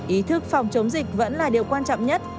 ý thức phòng chống dịch vẫn là điều quan trọng nhất